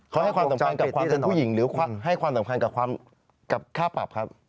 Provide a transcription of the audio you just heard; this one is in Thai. เขาให้ความสำคัญกับความเป็นผู้หญิงหรือให้ความสำคัญกับค่าปรับครับ